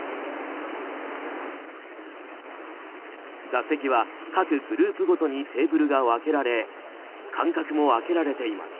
座席は各グループごとにテーブルが分けられ間隔も空けられています。